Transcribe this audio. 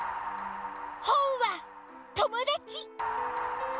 ほんはともだち！